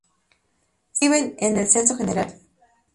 Se inscriben en el Censo General.